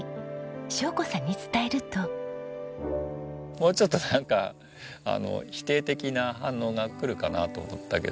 もうちょっとなんか否定的な反応がくるかなと思ったけど。